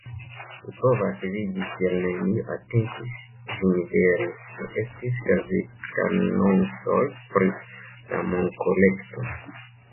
Mi povas vidi kial neniu atentis ĝin vere, ne estis gazetanoncoj pri la monkolekto